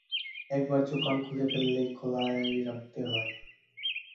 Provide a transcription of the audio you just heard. একবার চোখ-কান খুলে ফেললে খোলাই রাখতে হয়।